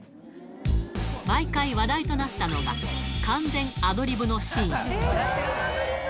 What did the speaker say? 毎回、話題となったのが、完全アドリブのシーン。